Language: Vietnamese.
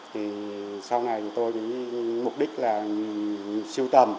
thì sau này thì tôi mục đích là siêu tầm